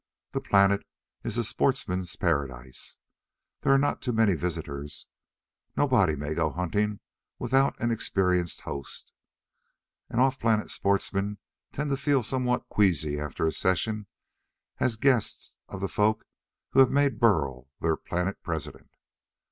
The planet is a sportsman's paradise. There are not too many visitors. Nobody may go hunting without an experienced host. And off planet sportsmen tend to feel somewhat queasy after a session as guest of the folk who have made Burl their planet president.